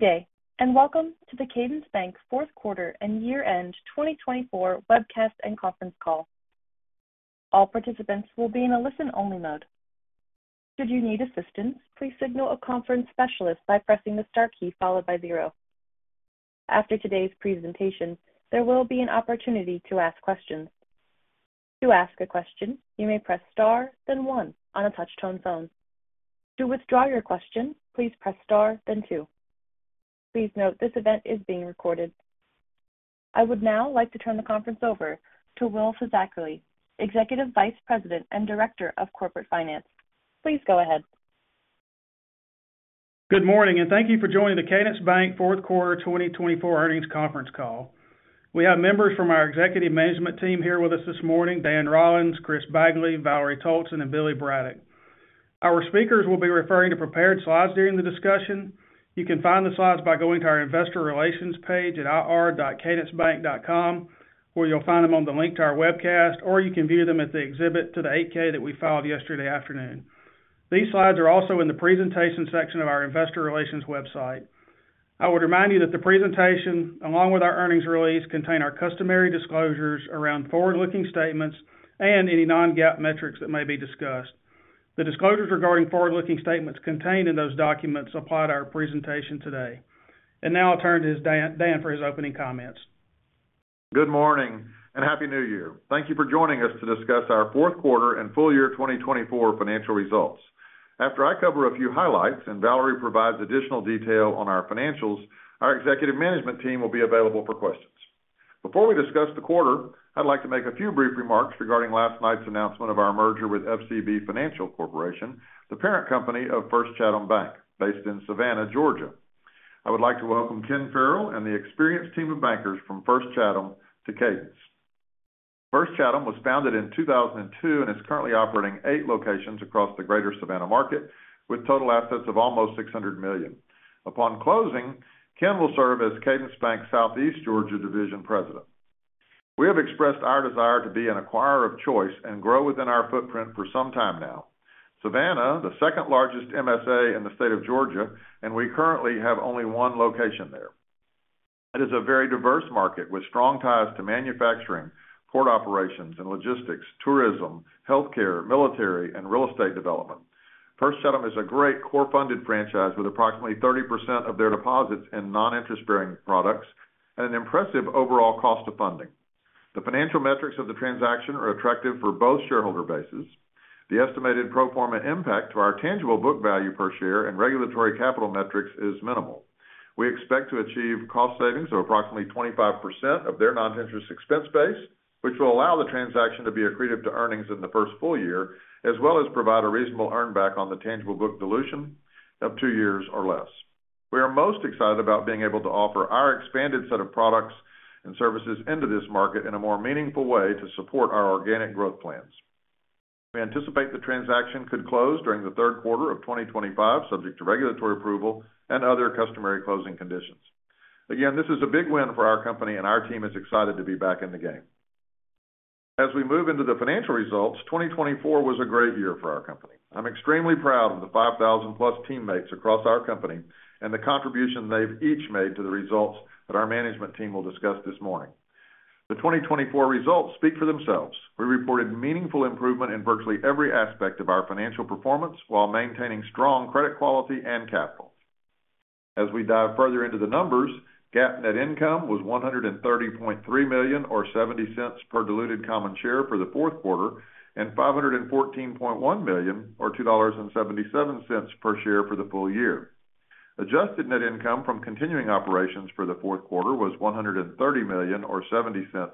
Good day, and welcome to the Cadence Bank's fourth quarter and year-end 2024 webcast and conference call. All participants will be in a listen-only mode. Should you need assistance, please signal a conference specialist by pressing the star key followed by zero. After today's presentation, there will be an opportunity to ask questions. To ask a question, you may press star, then one, on a touch-tone phone. To withdraw your question, please press star, then two. Please note this event is being recorded. I would now like to turn the conference over to Will Fisackerly, Executive Vice President and Director of Corporate Finance. Please go ahead. Good morning, and thank you for joining the Cadence Bank fourth quarter 2024 earnings conference call. We have members from our executive management team here with us this morning: Dan Rollins, Chris Bagley, Valerie Toalson, and Billy Braddock. Our speakers will be referring to prepared slides during the discussion. You can find the slides by going to our investor relations page at ir.cadencebank.com, where you'll find them on the link to our webcast, or you can view them at the exhibit to the 8-K that we filed yesterday afternoon. These slides are also in the presentation section of our investor relations website. I would remind you that the presentation, along with our earnings release, contains our customary disclosures around forward-looking statements and any non-GAAP metrics that may be discussed. The disclosures regarding forward-looking statements contained in those documents apply to our presentation today. Now I'll turn to Dan for his opening comments. Good morning and happy New Year. Thank you for joining us to discuss our fourth quarter and full year 2024 financial results. After I cover a few highlights and Valerie provides additional detail on our financials, our executive management team will be available for questions. Before we discuss the quarter, I'd like to make a few brief remarks regarding last night's announcement of our merger with FCB Financial Corporation, the parent company of First Chatham Bank, based in Savannah, Georgia. I would like to welcome Ken Ferrell and the experienced team of bankers from First Chatham to Cadence. First Chatham was founded in 2002 and is currently operating eight locations across the greater Savannah market, with total assets of almost $600 million. Upon closing, Ken will serve as Cadence Bank Southeast Georgia Division President. We have expressed our desire to be an acquirer of choice and grow within our footprint for some time now. Savannah, the second largest MSA in the state of Georgia, and we currently have only one location there. It is a very diverse market with strong ties to manufacturing, port operations, and logistics, tourism, healthcare, military, and real estate development. First Chatham is a great core-funded franchise with approximately 30% of their deposits in non-interest-bearing products and an impressive overall cost of funding. The financial metrics of the transaction are attractive for both shareholder bases. The estimated pro forma impact to our tangible book value per share and regulatory capital metrics is minimal. We expect to achieve cost savings of approximately 25% of their non-interest expense base, which will allow the transaction to be accretive to earnings in the first full year, as well as provide a reasonable earnback on the tangible book dilution of two years or less. We are most excited about being able to offer our expanded set of products and services into this market in a more meaningful way to support our organic growth plans. We anticipate the transaction could close during the third quarter of 2025, subject to regulatory approval and other customary closing conditions. Again, this is a big win for our company, and our team is excited to be back in the game. As we move into the financial results, 2024 was a great year for our company. I'm extremely proud of the 5,000+ teammates across our company and the contribution they've each made to the results that our management team will discuss this morning. The 2024 results speak for themselves. We reported meaningful improvement in virtually every aspect of our financial performance while maintaining strong credit quality and capital. As we dive further into the numbers, GAAP net income was $130.3 million, or $0.70 per diluted common share for the fourth quarter, and $514.1 million, or $2.77 per share for the full year. Adjusted net income from continuing operations for the fourth quarter was $130.7 million, or $0.70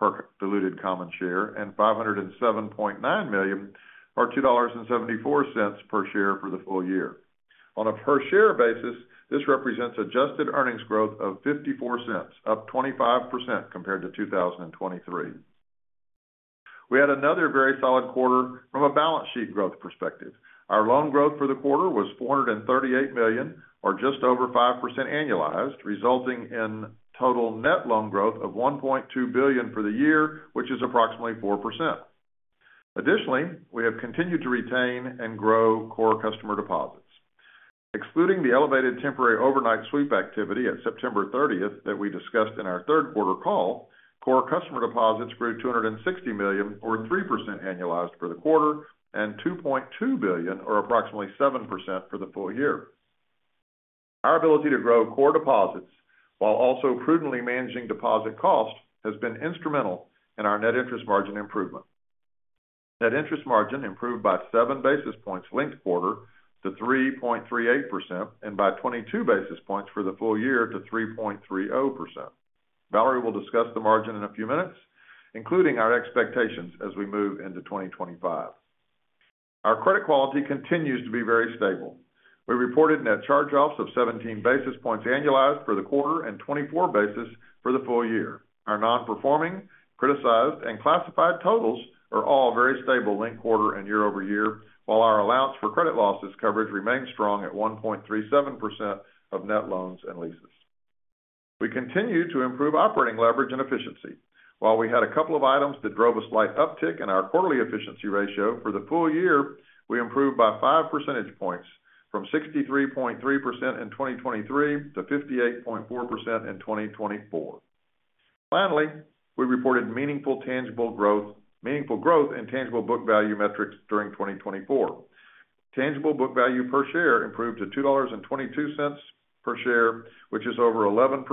per diluted common share and $507.9 million, or $2.74 per share for the full year. On a per-share basis, this represents adjusted earnings growth of $0.54, up 25% compared to 2023. We had another very solid quarter from a balance sheet growth perspective. Our loan growth for the quarter was $438 million, or just over 5% annualized, resulting in total net loan growth of $1.2 billion for the year, which is approximately 4%. Additionally, we have continued to retain and grow core customer deposits. Excluding the elevated temporary overnight sweep activity at September 30 that we discussed in our third quarter call, core customer deposits grew $260 million, or 3% annualized for the quarter, and $2.2 billion, or approximately 7% for the full year. Our ability to grow core deposits while also prudently managing deposit cost has been instrumental in our net interest margin improvement. Net interest margin improved by seven basis points linked quarter to 3.38%, and by 22 basis points for the full year to 3.30%. Valerie will discuss the margin in a few minutes, including our expectations as we move into 2025. Our credit quality continues to be very stable. We reported net charge-offs of 17 basis points annualized for the quarter and 24 basis for the full year. Our non-performing, criticized, and classified totals are all very stable linked quarter and year-over-year, while our allowance for credit losses coverage remains strong at 1.37% of net loans and leases. We continue to improve operating leverage and efficiency. While we had a couple of items that drove a slight uptick in our quarterly efficiency ratio for the full year, we improved by five percentage points from 63.3% in 2023 to 58.4% in 2024. Finally, we reported meaningful tangible growth, meaningful growth in tangible book value metrics during 2024. Tangible book value per share improved to $2.22 per share, which is over 11%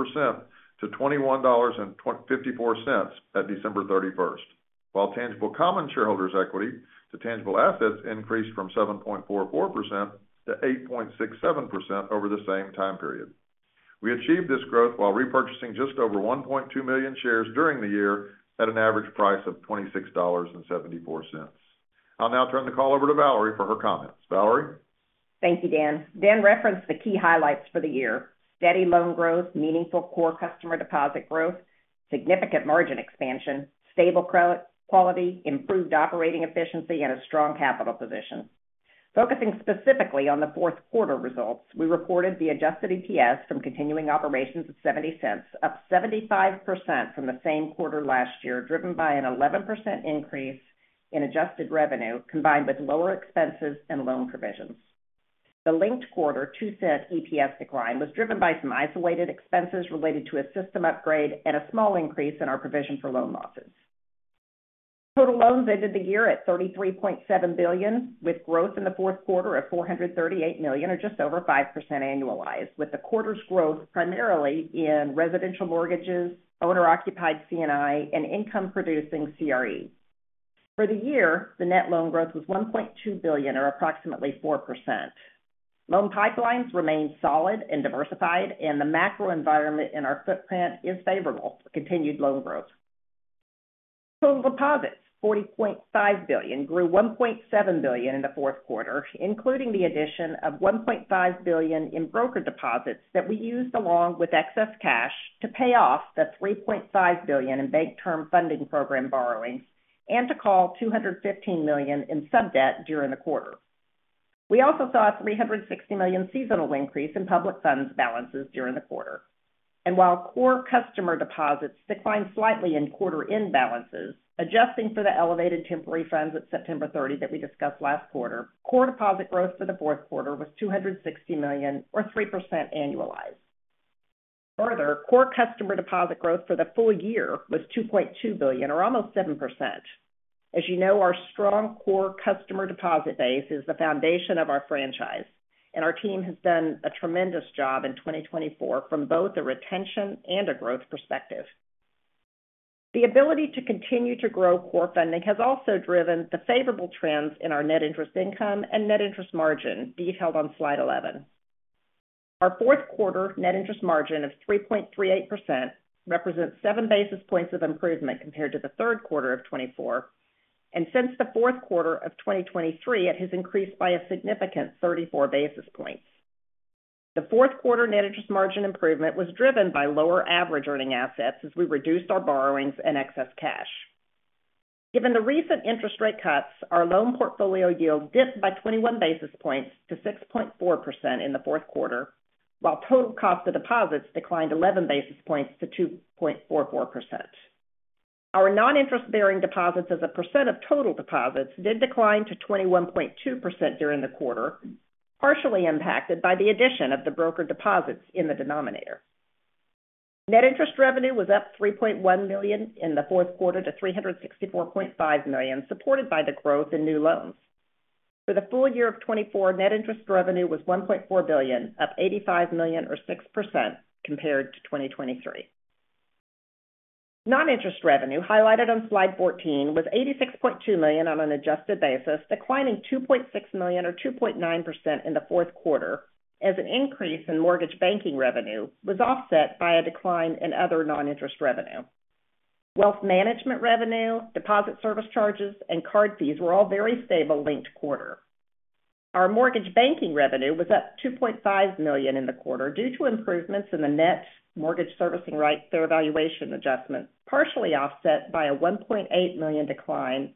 to $21.54 at December 31, while tangible common shareholders' equity to tangible assets increased from 7.44% to 8.67% over the same time period. We achieved this growth while repurchasing just over 1.2 million shares during the year at an average price of $26.74. I'll now turn the call over to Valerie for her comments. Valerie? Thank you, Dan. Dan referenced the key highlights for the year: steady loan growth, meaningful core customer deposit growth, significant margin expansion, stable credit quality, improved operating efficiency, and a strong capital position. Focusing specifically on the fourth quarter results, we reported the adjusted EPS from continuing operations of $0.70, up 75% from the same quarter last year, driven by an 11% increase in adjusted revenue combined with lower expenses and loan provisions. The linked quarter $0.02 EPS decline was driven by some isolated expenses related to a system upgrade and a small increase in our provision for loan losses. Total loans ended the year at $33.7 billion, with growth in the fourth quarter of $438 million, or just over 5% annualized, with the quarter's growth primarily in residential mortgages, owner-occupied C&I, and income-producing CRE. For the year, the net loan growth was $1.2 billion, or approximately 4%. Loan pipelines remained solid and diversified, and the macro environment in our footprint is favorable for continued loan growth. Total deposits, $40.5 billion, grew $1.7 billion in the fourth quarter, including the addition of $1.5 billion in broker deposits that we used along with excess cash to pay off the $3.5 billion in Bank Term Funding Program borrowings and to call $215 million in sub-debt during the quarter. We also saw a $360 million seasonal increase in public funds balances during the quarter. And while core customer deposits declined slightly in quarter-end balances, adjusting for the elevated temporary funds at September 30 that we discussed last quarter, core deposit growth for the fourth quarter was $260 million, or 3% annualized. Further, core customer deposit growth for the full year was $2.2 billion, or almost 7%. As you know, our strong core customer deposit base is the foundation of our franchise, and our team has done a tremendous job in 2024 from both a retention and a growth perspective. The ability to continue to grow core funding has also driven the favorable trends in our net interest income and net interest margin, detailed on slide 11. Our fourth quarter net interest margin of 3.38% represents seven basis points of improvement compared to the third quarter of 2024, and since the fourth quarter of 2023, it has increased by a significant 34 basis points. The fourth quarter net interest margin improvement was driven by lower average earning assets as we reduced our borrowings and excess cash. Given the recent interest rate cuts, our loan portfolio yield dipped by 21 basis points to 6.4% in the fourth quarter, while total cost of deposits declined 11 basis points to 2.44%. Our non-interest-bearing deposits as a percent of total deposits did decline to 21.2% during the quarter, partially impacted by the addition of the broker deposits in the denominator. Net interest revenue was up $3.1 million in the fourth quarter to $364.5 million, supported by the growth in new loans. For the full year of 2024, net interest revenue was $1.4 billion, up $85 million, or 6% compared to 2023. Non-interest revenue, highlighted on slide 14, was $86.2 million on an adjusted basis, declining $2.6 million, or 2.9% in the fourth quarter, as an increase in mortgage banking revenue was offset by a decline in other non-interest revenue. Wealth management revenue, deposit service charges, and card fees were all very stable linked quarter. Our mortgage banking revenue was up $2.5 million in the quarter due to improvements in the net mortgage servicing rights through valuation adjustments, partially offset by a $1.8 million decline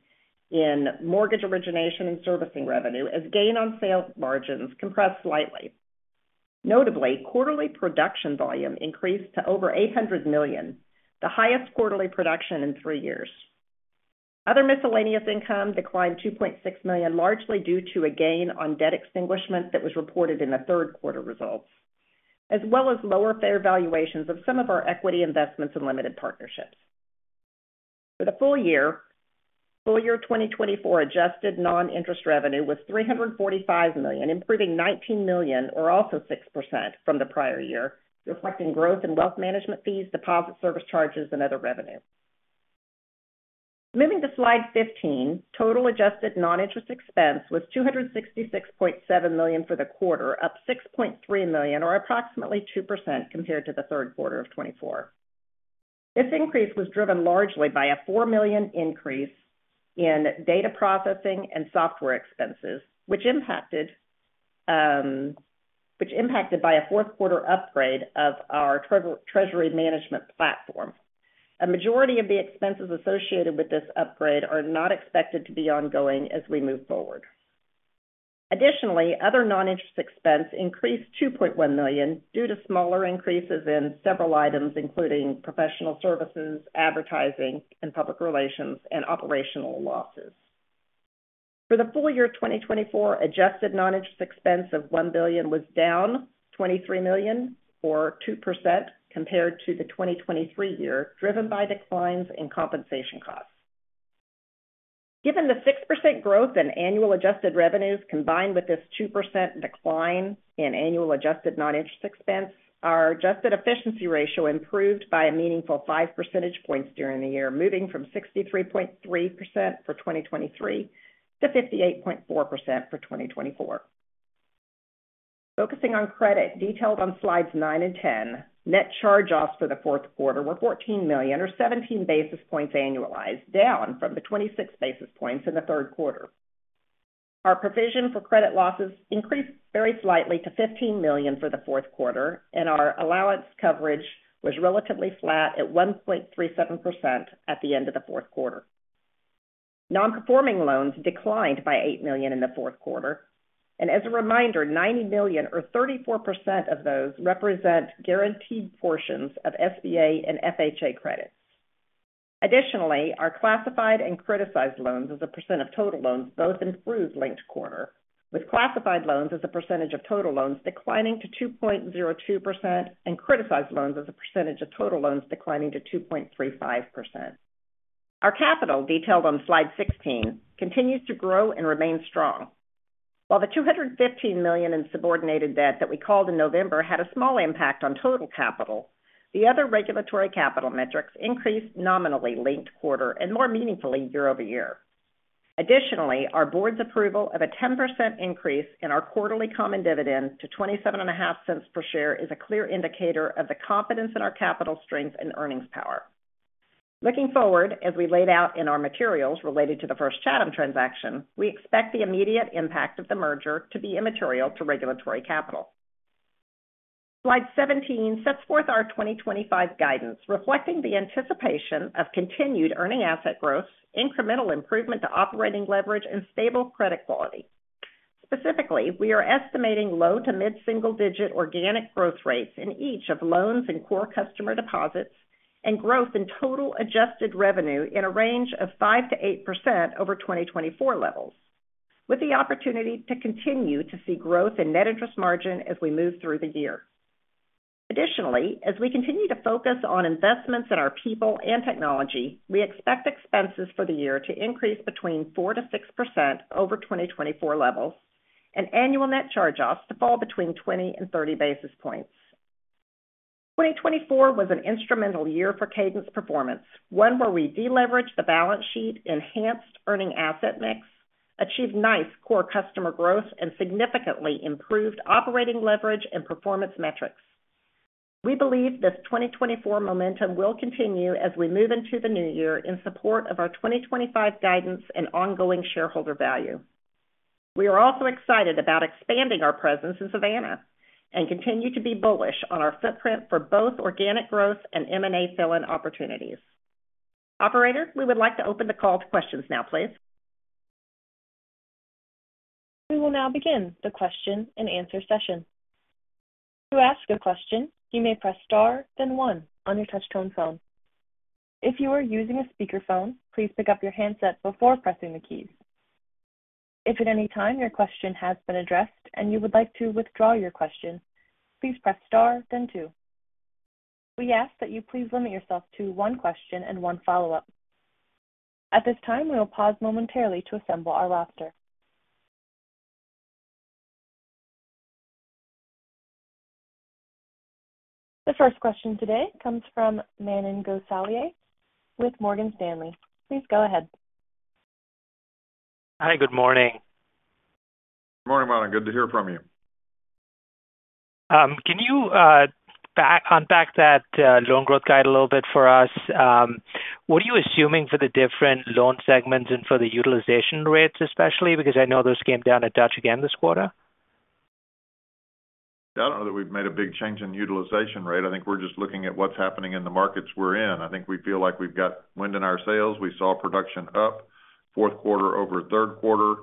in mortgage origination and servicing revenue as gain on sales margins compressed slightly. Notably, quarterly production volume increased to over $800 million, the highest quarterly production in three years. Other miscellaneous income declined $2.6 million, largely due to a gain on debt extinguishment that was reported in the third quarter results, as well as lower fair valuations of some of our equity investments and limited partnerships. For the full year, full year 2024 adjusted non-interest revenue was $345 million, improving $19 million, or also 6% from the prior year, reflecting growth in wealth management fees, deposit service charges, and other revenue. Moving to slide 15, total adjusted non-interest expense was $266.7 million for the quarter, up $6.3 million, or approximately 2% compared to the third quarter of 2024. This increase was driven largely by a $4 million increase in data processing and software expenses, which impacted by a fourth quarter upgrade of our treasury management platform. A majority of the expenses associated with this upgrade are not expected to be ongoing as we move forward. Additionally, other non-interest expense increased $2.1 million due to smaller increases in several items, including professional services, advertising, and public relations, and operational losses. For the full year 2024, adjusted non-interest expense of $1 billion was down $23 million, or 2% compared to the 2023 year, driven by declines in compensation costs. Given the 6% growth in annual adjusted revenues combined with this 2% decline in annual adjusted non-interest expense, our adjusted efficiency ratio improved by a meaningful 5 percentage points during the year, moving from 63.3% for 2023 to 58.4% for 2024. Focusing on credit, detailed on slides 9 and 10, net charge-offs for the fourth quarter were $14 million, or 17 basis points annualized, down from the 26 basis points in the third quarter. Our provision for credit losses increased very slightly to $15 million for the fourth quarter, and our allowance coverage was relatively flat at 1.37% at the end of the fourth quarter. Non-performing loans declined by $8 million in the fourth quarter, and as a reminder, $90 million, or 34% of those, represent guaranteed portions of SBA and FHA credits. Additionally, our classified and criticized loans as a percent of total loans both improved linked quarter, with classified loans as a percentage of total loans declining to 2.02% and criticized loans as a percentage of total loans declining to 2.35%. Our capital, detailed on slide 16, continues to grow and remain strong. While the $215 million in subordinated debt that we called in November had a small impact on total capital, the other regulatory capital metrics increased nominally linked quarter and more meaningfully year-over-year. Additionally, our board's approval of a 10% increase in our quarterly common dividend to $0.27 per share is a clear indicator of the confidence in our capital strength and earnings power. Looking forward, as we laid out in our materials related to the First Chatham transaction, we expect the immediate impact of the merger to be immaterial to regulatory capital. Slide 17 sets forth our 2025 guidance, reflecting the anticipation of continued earning asset growth, incremental improvement to operating leverage, and stable credit quality. Specifically, we are estimating low to mid-single-digit organic growth rates in each of loans and core customer deposits and growth in total adjusted revenue in a range of 5% to 8% over 2024 levels, with the opportunity to continue to see growth in net interest margin as we move through the year. Additionally, as we continue to focus on investments in our people and technology, we expect expenses for the year to increase between 4% to 6% over 2024 levels and annual net charge-offs to fall between 20 and 30 basis points. 2024 was an instrumental year for Cadence Performance, one where we deleveraged the balance sheet, enhanced earning asset mix, achieved nice core customer growth, and significantly improved operating leverage and performance metrics. We believe this 2024 momentum will continue as we move into the new year in support of our 2025 guidance and ongoing shareholder value. We are also excited about expanding our presence in Savannah and continue to be bullish on our footprint for both organic growth and M&A fill-in opportunities. Operator, we would like to open the call to questions now, please. We will now begin the question-and-answer session. To ask a question, you may press star, then one on your touch-tone phone. If you are using a speakerphone, please pick up your handset before pressing the keys. If at any time your question has been addressed and you would like to withdraw your question, please press star, then two. We ask that you please limit yourself to one question and one follow-up. At this time, we will pause momentarily to assemble our roster. The first question today comes from Manan Gosalia with Morgan Stanley. Please go ahead. Hi, good morning. Good morning, Manan. Good to hear from you. Can you unpack that loan growth guidance a little bit for us? What are you assuming for the different loan segments and for the utilization rates, especially? Because I know those came down a touch again this quarter. I don't know that we've made a big change in utilization rate. I think we're just looking at what's happening in the markets we're in. I think we feel like we've got wind in our sails. We saw production up fourth quarter over third quarter.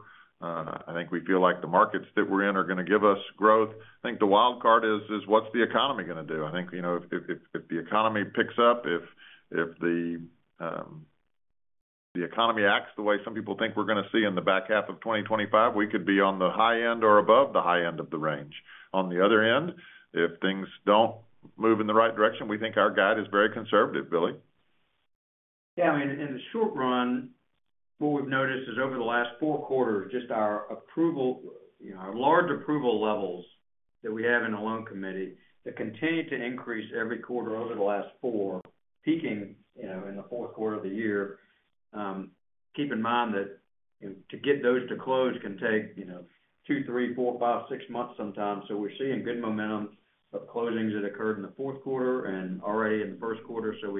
I think we feel like the markets that we're in are going to give us growth. I think the wild card is, what's the economy going to do? I think if the economy picks up, if the economy acts the way some people think we're going to see in the back half of 2025, we could be on the high end or above the high end of the range. On the other end, if things don't move in the right direction, we think our guide is very conservative, Billy. Yeah. I mean, in the short run, what we've noticed is over the last four quarters, just our approval, our large approval levels that we have in the loan committee that continue to increase every quarter over the last four, peaking in the fourth quarter of the year. Keep in mind that to get those to close can take two, three, four, five, six months sometimes. So we're seeing good momentum of closings that occurred in the fourth quarter and already in the first quarter. So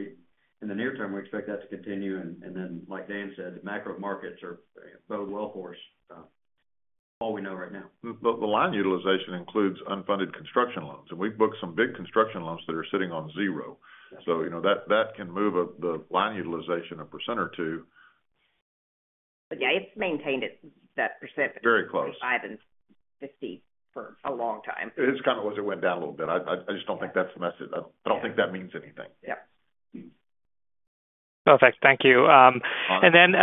in the near term, we expect that to continue. And then, like Dan said, the macro markets are bode well for us, is all we know right now. But the line utilization includes unfunded construction loans. And we've booked some big construction loans that are sitting on zero. So that can move the line utilization 1% or 2%. But yeah, it's maintained at that percent. Very close. five and 50 for a long time. It's kind of what it went down a little bit. I just don't think that's the message. I don't think that means anything. Yep. Perfect. Thank you. And then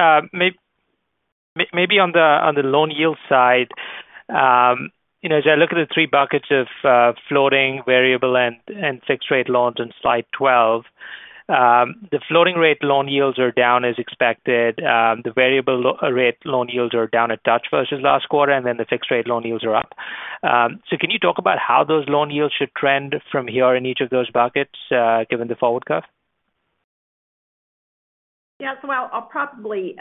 maybe on the loan yield side, as I look at the three buckets of floating, variable, and fixed-rate loans on slide 12, the floating-rate loan yields are down as expected. The variable-rate loan yields are down a touch versus last quarter, and then the fixed-rate loan yields are up. So can you talk about how those loan yields should trend from here in each of those buckets, given the forward curve? Yeah. So I'll probably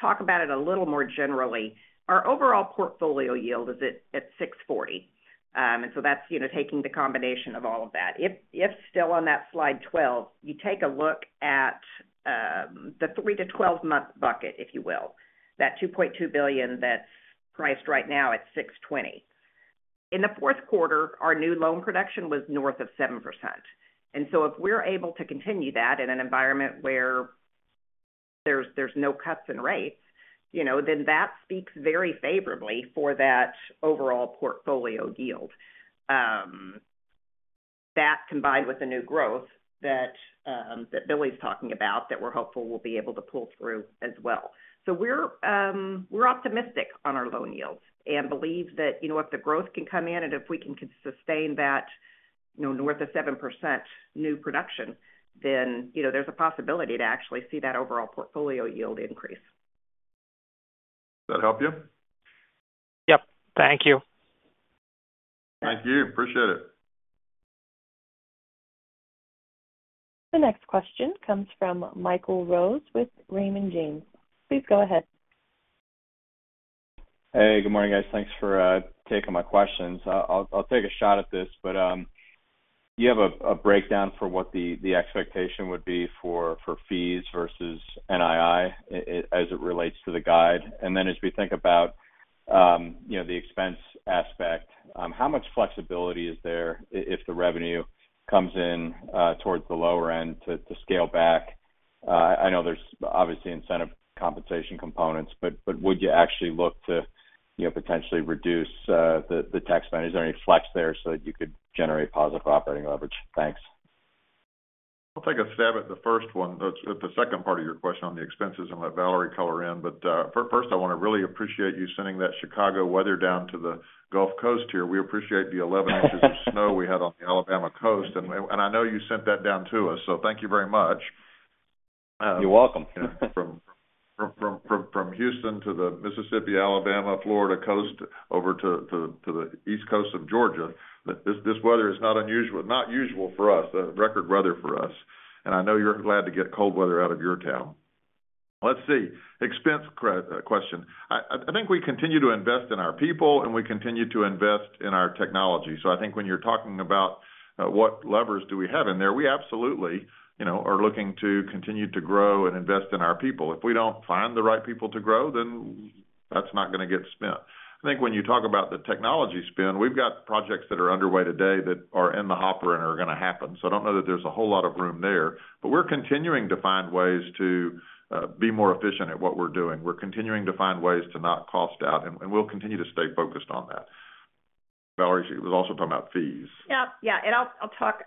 talk about it a little more generally. Our overall portfolio yield is at 640. And so that's taking the combination of all of that. If still on that slide 12, you take a look at the 3- to 12-month bucket, if you will, that $2.2 billion that's priced right now at 620. In the fourth quarter, our new loan production was north of 7%. And so if we're able to continue that in an environment where there's no cuts in rates, then that speaks very favorably for that overall portfolio yield. That combined with the new growth that Billy's talking about that we're hopeful we'll be able to pull through as well. So we're optimistic on our loan yields and believe that if the growth can come in and if we can sustain that north of 7% new production, then there's a possibility to actually see that overall portfolio yield increase. Does that help you? Yep. Thank you. Thank you. Appreciate it. The next question comes from Michael Rose with Raymond James. Please go ahead. Hey, good morning, guys. Thanks for taking my questions. I'll take a shot at this, but do you have a breakdown for what the expectation would be for fees versus NII as it relates to the guide? And then as we think about the expense aspect, how much flexibility is there if the revenue comes in toward the lower end to scale back? I know there's obviously incentive compensation components, but would you actually look to potentially reduce the headcount? Is there any flex there so that you could generate positive operating leverage? Thanks. I'll take a stab at the first one, the second part of your question on the expenses, and let Valerie color in. But first, I want to really appreciate you sending that Chicago weather down to the Gulf Coast here. We appreciate the 11 inches of snow we had on the Alabama coast. I know you sent that down to us, so thank you very much. You're welcome. From Houston to the Mississippi, Alabama, Florida coast, over to the east coast of Georgia. This weather is unusual, not usual for us, the record weather for us. I know you're glad to get cold weather out of your town. Let's see. Expense question. I think we continue to invest in our people, and we continue to invest in our technology. I think when you're talking about what levers do we have in there, we absolutely are looking to continue to grow and invest in our people. If we don't find the right people to grow, then that's not going to get spent. I think when you talk about the technology spend, we've got projects that are underway today that are in the hopper and are going to happen. So I don't know that there's a whole lot of room there, but we're continuing to find ways to be more efficient at what we're doing. We're continuing to find ways to not cost out, and we'll continue to stay focused on that. I think Valerie was also talking about fees. Yep. Yeah. And I'll talk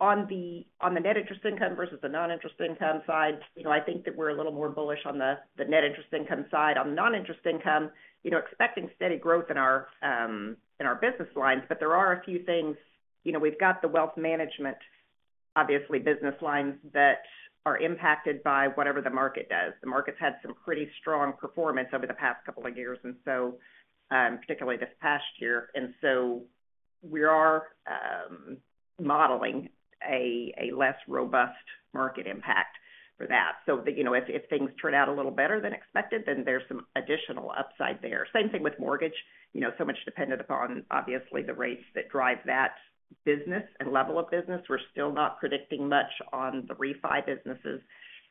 on the net interest income versus the non-interest income side. I think that we're a little more bullish on the net interest income side. On the non-interest income, expecting steady growth in our business lines, but there are a few things. We've got the wealth management, obviously, business lines that are impacted by whatever the market does. The market's had some pretty strong performance over the past couple of years, and so particularly this past year. And so we are modeling a less robust market impact for that. So if things turn out a little better than expected, then there's some additional upside there. Same thing with mortgage. So much dependent upon, obviously, the rates that drive that business and level of business. We're still not predicting much on the refi businesses.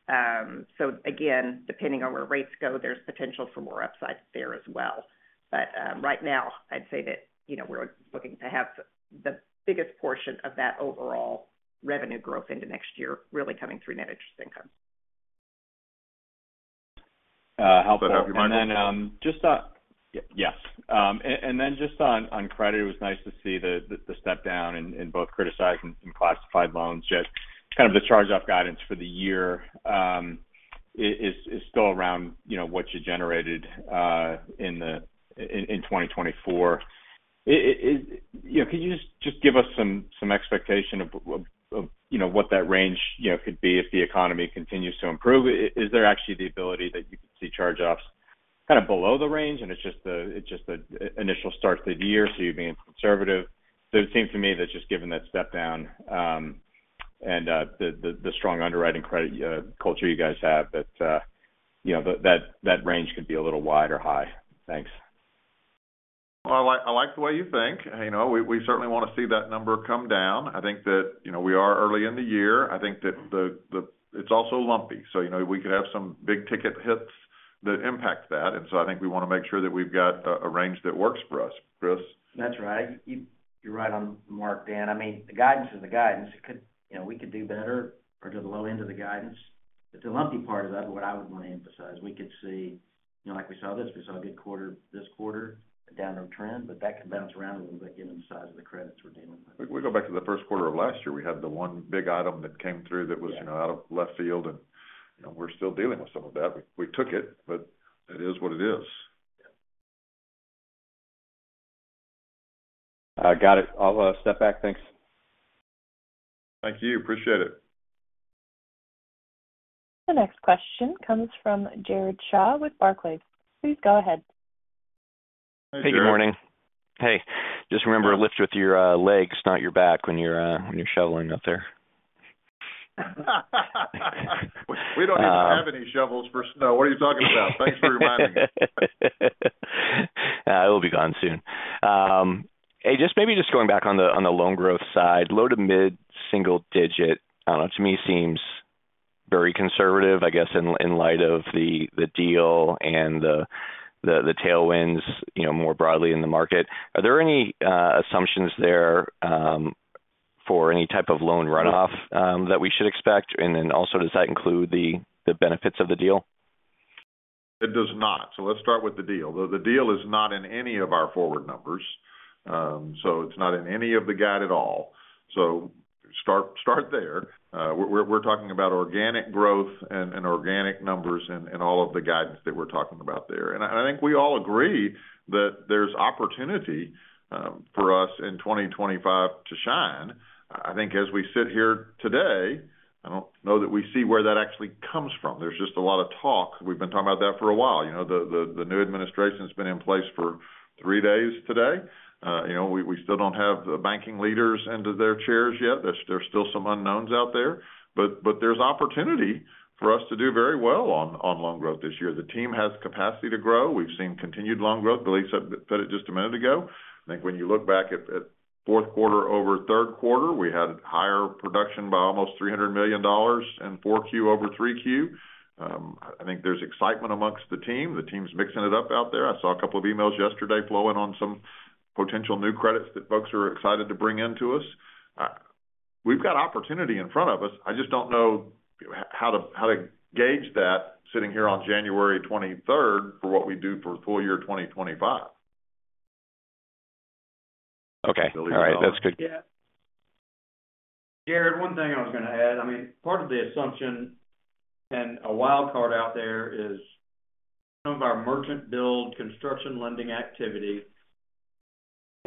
Again, depending on where rates go, there's potential for more upside there as well. But right now, I'd say that we're looking to have the biggest portion of that overall revenue growth into next year really coming through net interest income. Hank, you mind? And then just yes. And then just on credit, it was nice to see the step down in both criticized and classified loans. Just kind of the charge-off guidance for the year is still around what you generated in 2024. Can you just give us some expectation of what that range could be if the economy continues to improve? Is there actually the ability that you could see charge-offs kind of below the range, and it's just the initial start to the year, so you're being conservative? So it seems to me that just given that step down and the strong underwriting credit culture you guys have, that range could be a little wide or high. Thanks. I like the way you think. We certainly want to see that number come down. I think that we are early in the year. I think that it's also lumpy. So we could have some big ticket hits that impact that. And so I think we want to make sure that we've got a range that works for us. Chris. That's right. You're right on the mark, Dan. I mean, the guidance is the guidance. We could do better or to the low end of the guidance. It's a lumpy part of that, but what I would want to emphasize, we could see like we saw this. We saw a good quarter this quarter, a downward trend, but that can bounce around a little bit given the size of the credits we're dealing with. We go back to the first quarter of last year. We had the one big item that came through that was out of left field, and we're still dealing with some of that. We took it, but that is what it is. Got it. I'll step back. Thanks. Thank you. Appreciate it. The next question comes from Jared Shaw with Barclays. Please go ahead. Hey, good morning. Hey. Just remember to lift with your legs, not your back when you're shoveling out there. We don't have any shovels for snow. What are you talking about? Thanks for reminding me. It will be gone soon. Hey, just maybe going back on the loan growth side, low- to mid-single-digit, I don't know, to me seems very conservative, I guess, in light of the deal and the tailwinds more broadly in the market. Are there any assumptions there for any type of loan runoff that we should expect? And then also, does that include the benefits of the deal? It does not. So let's start with the deal. The deal is not in any of our forward numbers. So it's not in any of the guide at all. So start there. We're talking about organic growth and organic numbers and all of the guidance that we're talking about there. And I think we all agree that there's opportunity for us in 2025 to shine. I think as we sit here today, I don't know that we see where that actually comes from. There's just a lot of talk. We've been talking about that for a while. The new administration has been in place for three days today. We still don't have the banking leaders into their chairs yet. There's still some unknowns out there. But there's opportunity for us to do very well on loan growth this year. The team has the capacity to grow. We've seen continued loan growth. Billy said it just a minute ago. I think when you look back at fourth quarter over third quarter, we had higher production by almost $300 million and 4Q over 3Q. I think there's excitement amongst the team. The team's mixing it up out there. I saw a couple of emails yesterday flowing on some potential new credits that folks are excited to bring into us. We've got opportunity in front of us. I just don't know how to gauge that sitting here on January 23rd for what we do for full year 2025. Okay. All right. That's good. Jared, one thing I was going to add. I mean, part of the assumption and a wild card out there is some of our merchant-build construction lending activity.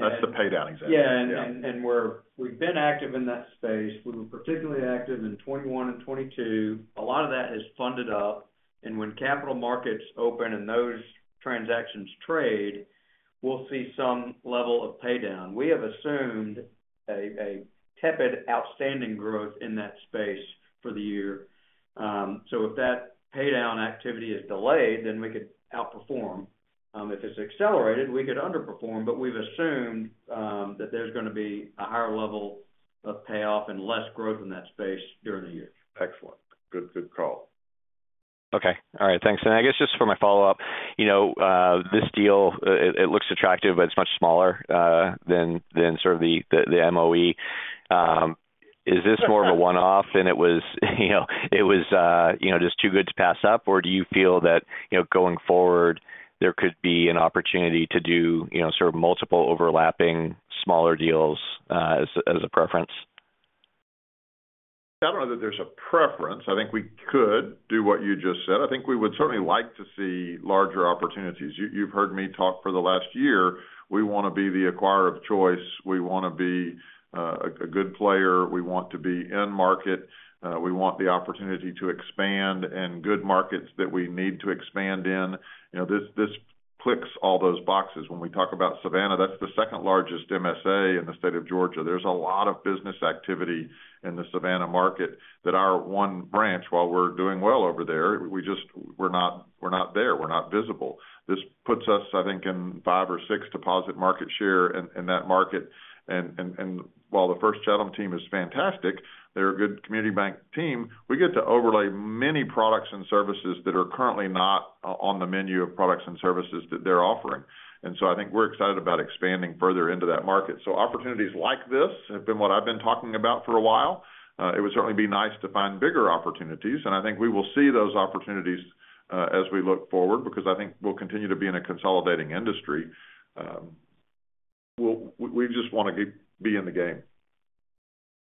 That's the paydown example. Yeah, and we've been active in that space. We were particularly active in 2021 and 2022. A lot of that is funded up, and when capital markets open and those transactions trade, we'll see some level of paydown. We have assumed a tepid outstanding growth in that space for the year, so if that paydown activity is delayed, then we could outperform. If it's accelerated, we could underperform, but we've assumed that there's going to be a higher level of payoff and less growth in that space during the year. Excellent. Good call. Okay. All right. Thanks. And I guess just for my follow-up, this deal, it looks attractive, but it's much smaller than sort of the MOE. Is this more of a one-off than it was just too good to pass up? Or do you feel that going forward, there could be an opportunity to do sort of multiple overlapping smaller deals as a preference? I don't know that there's a preference. I think we could do what you just said. I think we would certainly like to see larger opportunities. You've heard me talk for the last year. We want to be the acquirer of choice. We want to be a good player. We want to be in market. We want the opportunity to expand and good markets that we need to expand in. This clicks all those boxes. When we talk about Savannah, that's the second largest MSA in the state of Georgia. There's a lot of business activity in the Savannah market that our one branch, while we're doing well over there, we're not there. We're not visible. This puts us, I think, in five or six deposit market share in that market. And while the First Chatham team is fantastic, they're a good community bank team. We get to overlay many products and services that are currently not on the menu of products and services that they're offering. And so I think we're excited about expanding further into that market. So opportunities like this have been what I've been talking about for a while. It would certainly be nice to find bigger opportunities. And I think we will see those opportunities as we look forward because I think we'll continue to be in a consolidating industry. We just want to be in the game.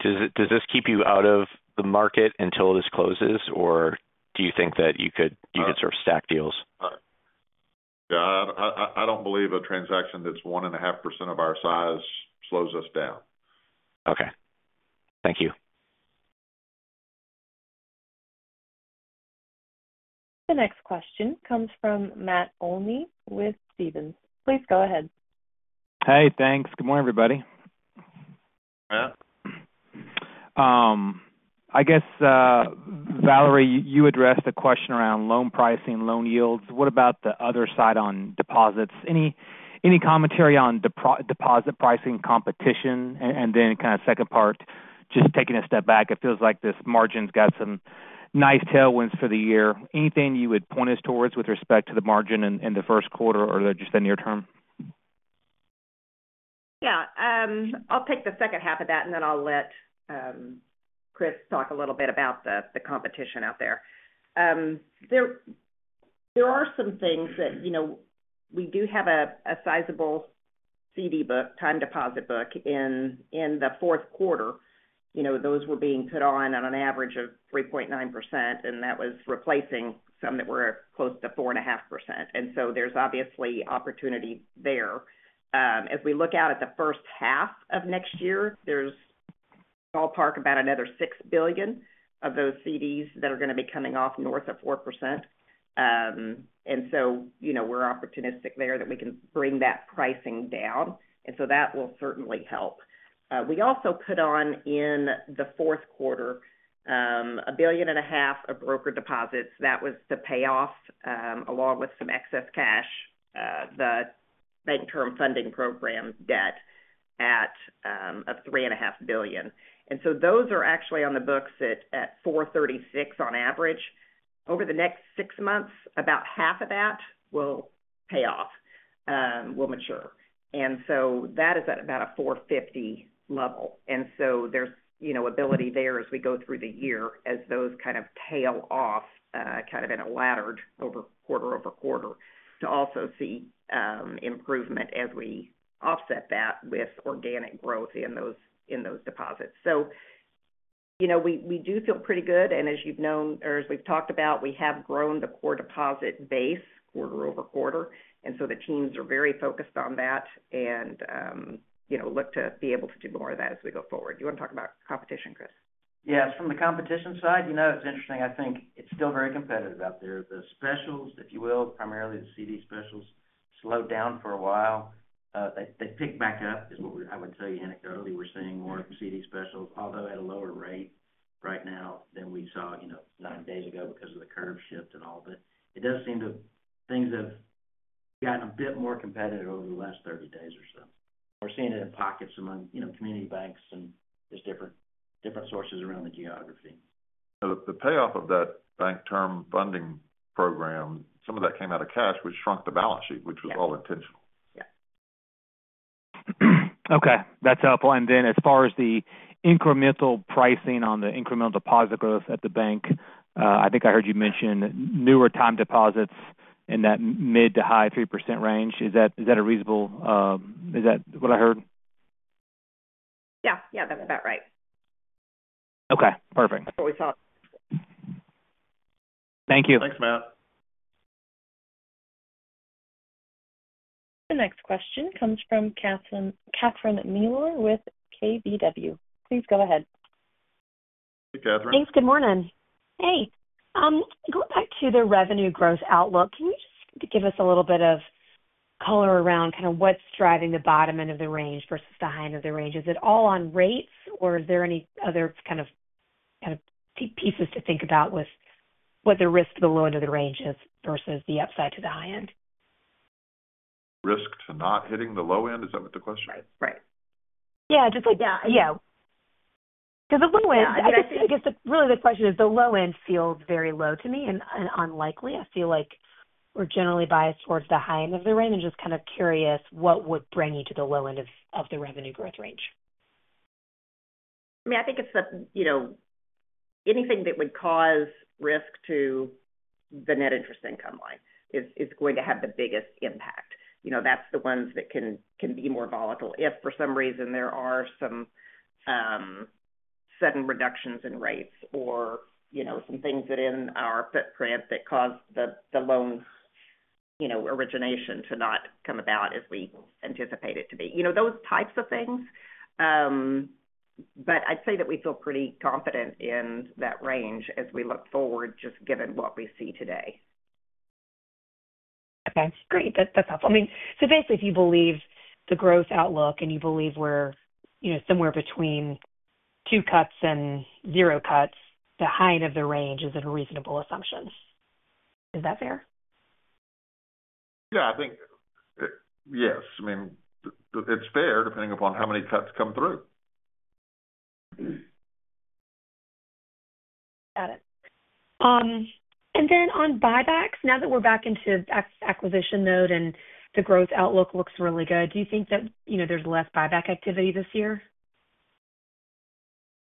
Does this keep you out of the market until this closes, or do you think that you could sort of stack deals? Yeah. I don't believe a transaction that's 1.5% of our size slows us down. Okay. Thank you. The next question comes from Matt Olney with Stephens. Please go ahead. Hey, thanks. Good morning, everybody. Yeah. I guess, Valerie, you addressed a question around loan pricing, loan yields. What about the other side on deposits? Any commentary on deposit pricing competition? And then kind of second part, just taking a step back, it feels like this margin's got some nice tailwinds for the year. Anything you would point us towards with respect to the margin in the first quarter or just the near term? Yeah. I'll take the second half of that, and then I'll let Chris talk a little bit about the competition out there. There are some things that we do have a sizable CD book, time deposit book in the fourth quarter. Those were being put on at an average of 3.9%, and that was replacing some that were close to 4.5%. And so there's obviously opportunity there. As we look out at the first half of next year, there's ballpark about another $6 billion of those CDs that are going to be coming off north of 4%. And so we're opportunistic there that we can bring that pricing down. And so that will certainly help. We also put on in the fourth quarter $1.5 billion of broker deposits. That was the payoff along with some excess cash, the Bank Term Funding Program debt at a $3.5 billion. And so those are actually on the books at 436 on average. Over the next six months, about half of that will pay off, will mature. And so that is at about a 450 level. And so there's ability there as we go through the year as those kind of tail off kind of in a ladder over quarter over quarter to also see improvement as we offset that with organic growth in those deposits. So we do feel pretty good. And as you've known or as we've talked about, we have grown the core deposit base quarter over quarter. And so the teams are very focused on that and look to be able to do more of that as we go forward. You want to talk about competition, Chris? Yeah. From the competition side, it's interesting. I think it's still very competitive out there. The specials, if you will, primarily the CD specials, slowed down for a while. They picked back up is what I would tell you anecdotally. We're seeing more of the CD specials, although at a lower rate right now than we saw nine days ago because of the curve shift and all. But it does seem that things have gotten a bit more competitive over the last 30 days or so. We're seeing it in pockets among community banks and just different sources around the geography. The payoff of that Bank Term Funding Program, some of that came out of cash, which shrunk the balance sheet, which was all intentional. Yeah. Okay. That's helpful. Then as far as the incremental pricing on the incremental deposit growth at the bank, I think I heard you mention newer time deposits in that mid- to high-3% range. Is that reasonable? Is that what I heard? Yeah. Yeah. That's about right. Okay. Perfect. That's what we saw. Thank you. Thanks, Matt. The next question comes from Catherine Mealor with KBW. Please go ahead. Hey, Catherine. Thanks. Good morning. Hey. Going back to the revenue growth outlook, can you just give us a little bit of color around kind of what's driving the bottom end of the range versus the high end of the range? Is it all on rates, or is there any other kind of pieces to think about with what the risk to the low end of the range is versus the upside to the high end? Risk to not hitting the low end? Is that what the question is? Right. Yeah. Because the low end, I mean, I guess really the question is the low end feels very low to me and unlikely. I feel like we're generally biased towards the high end of the range and just kind of curious what would bring you to the low end of the revenue growth range. I mean, I think it's anything that would cause risk to the net interest income line, is going to have the biggest impact. That's the ones that can be more volatile if for some reason there are some sudden reductions in rates or some things that are in our footprint that cause the loan origination to not come about as we anticipate it to be. Those types of things. But I'd say that we feel pretty confident in that range as we look forward just given what we see today. Okay. Great. That's helpful. I mean, so basically, if you believe the growth outlook and you believe we're somewhere between two cuts and zero cuts, the high end of the range is a reasonable assumption. Is that fair? Yeah. I think yes. I mean, it's fair depending upon how many cuts come through. Got it. And then on buybacks, now that we're back into acquisition mode and the growth outlook looks really good, do you think that there's less buyback activity this year?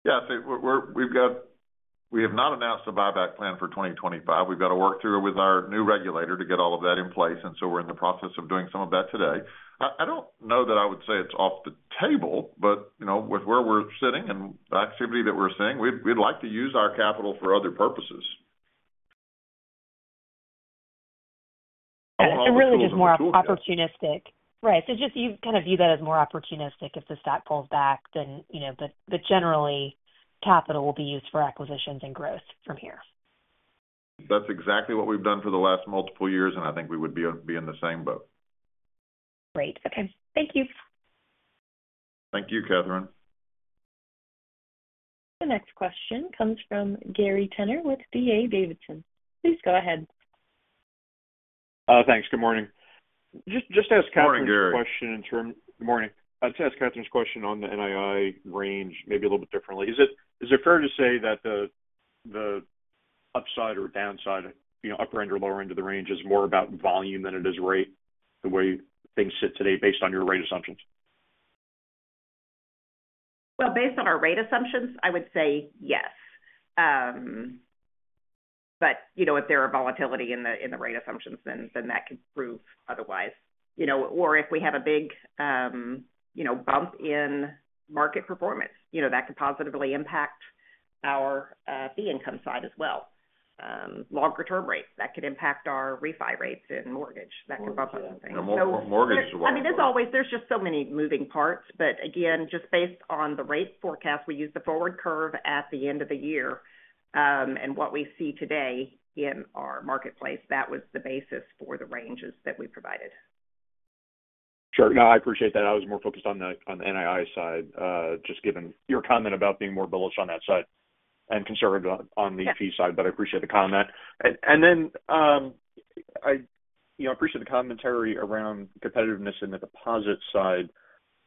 Yeah. I think we have not announced a buyback plan for 2025. We've got to work through it with our new regulator to get all of that in place. And so we're in the process of doing some of that today. I don't know that I would say it's off the table, but with where we're sitting and the activity that we're seeing, we'd like to use our capital for other purposes. It's really just more opportunistic. Right. So just you kind of view that as more opportunistic if the stock falls back, but generally, capital will be used for acquisitions and growth from here. That's exactly what we've done for the last multiple years, and I think we would be in the same boat. Great. Okay. Thank you. Thank you, Catherine. The next question comes from Gary Tenner with D.A. Davidson. Please go ahead. Thanks. Good morning. Just to ask Catherine's question in terms of. Morning, Gary. Good morning. Just to ask Catherine's question on the NII range, maybe a little bit differently. Is it fair to say that the upside or downside, upper end or lower end of the range is more about volume than it is rate, the way things sit today based on your rate assumptions? Based on our rate assumptions, I would say yes. But if there are volatility in the rate assumptions, then that could prove otherwise. Or if we have a big bump in market performance, that could positively impact our fee income side as well. Longer-term rates, that could impact our refi rates and mortgage. That could bump up some things. Yeah. More mortgage as well. I mean, there's just so many moving parts. But again, just based on the rate forecast, we use the forward curve at the end of the year. And what we see today in our marketplace, that was the basis for the ranges that we provided. Sure. No, I appreciate that. I was more focused on the NII side, just given your comment about being more bullish on that side and conservative on the fee side. But I appreciate the comment. And then I appreciate the commentary around competitiveness and the deposit side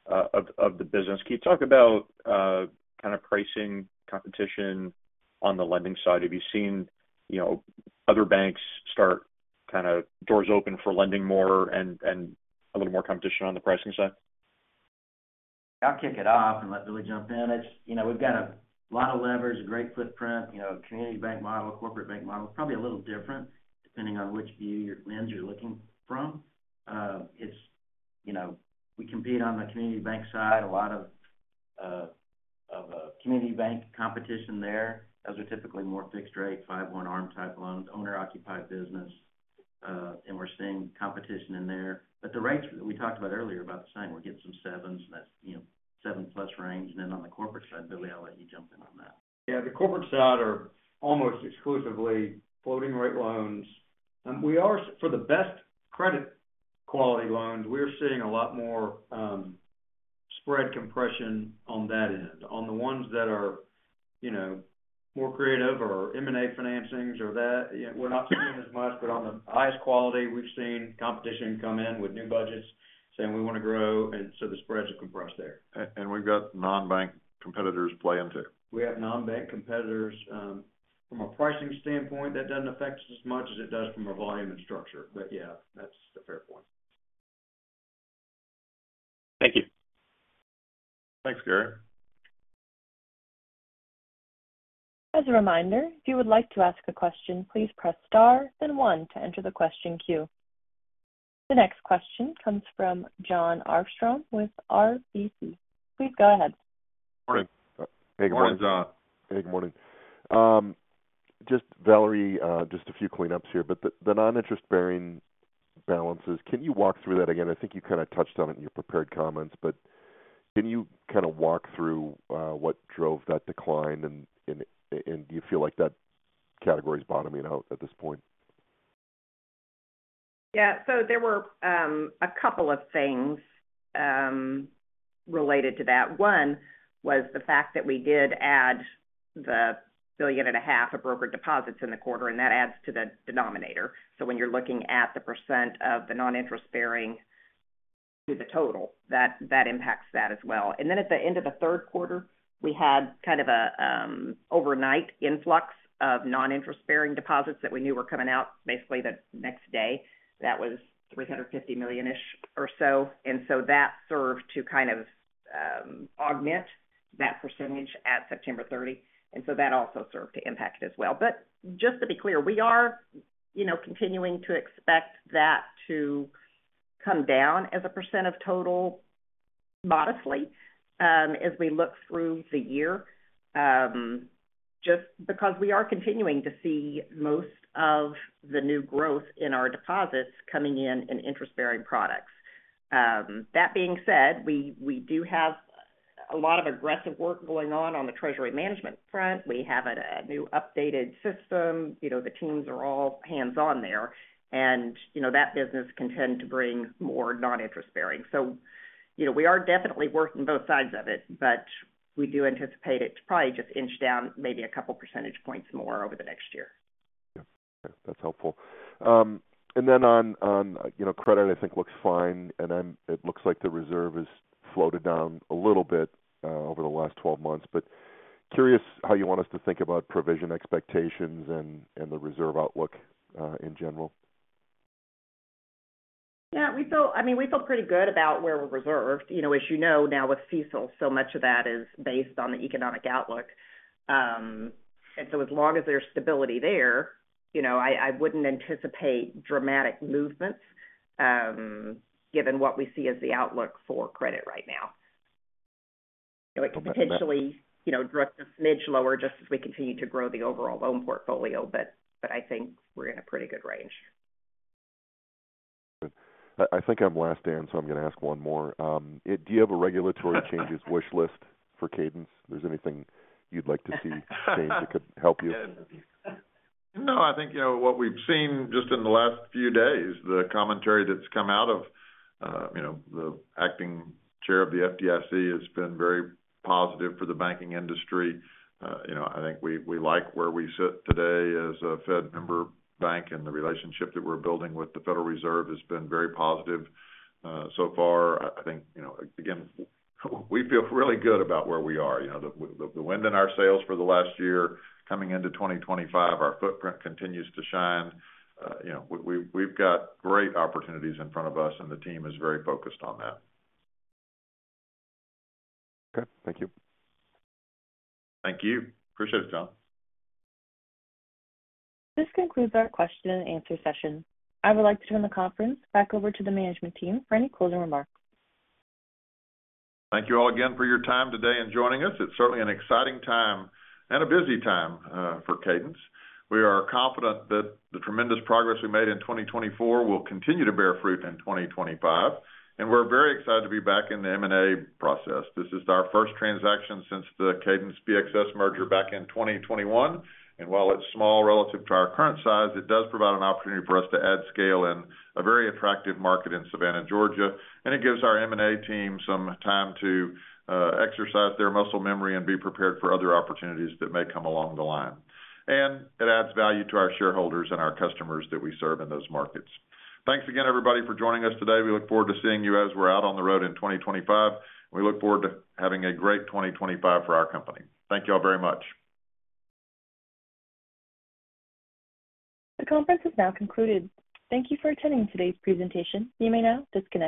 of the business. Can you talk about kind of pricing competition on the lending side? Have you seen other banks start kind of opening doors for lending more and a little more competition on the pricing side? I'll kick it off and let Billy jump in. We've got a lot of levers, a great footprint, community bank model, corporate bank model. Probably a little different depending on which lens you're looking from. We compete on the community bank side. A lot of community bank competition there. Those are typically more fixed rate, 5/1 ARM type loans, owner-occupied business. And we're seeing competition in there. But the rates that we talked about earlier are about the same. We're getting some sevens, and that's seven-plus range. And then on the corporate side, Billy, I'll let you jump in on that. Yeah. The corporate side are almost exclusively floating-rate loans. For the best credit-quality loans, we're seeing a lot more spread compression on that end. On the ones that are more creative or M&A financings or that, we're not seeing as much. But on the highest quality, we've seen competition come in with new budgets saying we want to grow. And so the spreads are compressed there. We've got non-bank competitors playing too. We have non-bank competitors. From a pricing standpoint, that doesn't affect us as much as it does from a volume and structure. But yeah, that's a fair point. Thank you. Thanks, Gary. As a reminder, if you would like to ask a question, please press star, then one to enter the question queue. The next question comes from Jon Arfstrom with RBC. Please go ahead. Morning. Hey, good morning, John. Morning. Hey, good morning. Just Valerie, just a few cleanups here. But the non-interest-bearing balances, can you walk through that again? I think you kind of touched on it in your prepared comments, but can you kind of walk through what drove that decline? And do you feel like that category is bottoming out at this point? Yeah, so there were a couple of things related to that. One was the fact that we did add $1.5 billion of broker deposits in the quarter, and that adds to the denominator. So when you're looking at the % of the non-interest-bearing to the total, that impacts that as well, so when you're looking at the % of the non-interest-bearing to the total, that impacts that as well, and then at the end of the third quarter, we had kind of an overnight influx of non-interest-bearing deposits that we knew were coming out basically the next day. That was $350 million-ish or so, and so that served to kind of augment that % at September 30, and so that also served to impact it as well. But just to be clear, we are continuing to expect that to come down as a percent of total modestly as we look through the year, just because we are continuing to see most of the new growth in our deposits coming in in interest-bearing products. That being said, we do have a lot of aggressive work going on the treasury management front. We have a new updated system. The teams are all hands-on there. And that business can tend to bring more non-interest-bearing. So we are definitely working both sides of it, but we do anticipate it to probably just inch down maybe a couple of percentage points more over the next year. Yeah. Okay. That's helpful. And then on credit, I think looks fine. And it looks like the reserve has floated down a little bit over the last 12 months. But curious how you want us to think about provision expectations and the reserve outlook in general. Yeah. I mean, we feel pretty good about where we're reserved. As you know, now with CECL, so much of that is based on the economic outlook. And so as long as there's stability there, I wouldn't anticipate dramatic movements given what we see as the outlook for credit right now. It could potentially drift a smidge lower just as we continue to grow the overall loan portfolio, but I think we're in a pretty good range. Got it. I think I'm last in, so I'm going to ask one more. Do you have a regulatory changes wish list for Cadence? Is there anything you'd like to see change that could help you? No, I think what we've seen just in the last few days, the commentary that's come out of the acting chair of the FDIC has been very positive for the banking industry. I think we like where we sit today as a Fed member bank, and the relationship that we're building with the Federal Reserve has been very positive so far. I think, again, we feel really good about where we are. The wind in our sails for the last year, coming into 2025, our footprint continues to shine. We've got great opportunities in front of us, and the team is very focused on that. Okay. Thank you. Thank you. Appreciate it, Jon. This concludes our question-and-answer session. I would like to turn the conference back over to the management team for any closing remarks. Thank you all again for your time today and joining us. It's certainly an exciting time and a busy time for Cadence. We are confident that the tremendous progress we made in 2024 will continue to bear fruit in 2025, and we're very excited to be back in the M&A process. This is our first transaction since the Cadence-BXS merger back in 2021, and while it's small relative to our current size, it does provide an opportunity for us to add scale in a very attractive market in Savannah, Georgia, and it gives our M&A team some time to exercise their muscle memory and be prepared for other opportunities that may come along the line, and it adds value to our shareholders and our customers that we serve in those markets. Thanks again, everybody, for joining us today. We look forward to seeing you as we're out on the road in 2025. We look forward to having a great 2025 for our company. Thank you all very much. The conference has now concluded. Thank you for attending today's presentation. You may now disconnect.